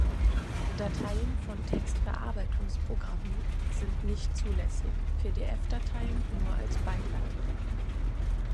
Dateien von Textverarbeitungsprogrammen sind nicht zulässig, pdf-Dateien nur als Beilage.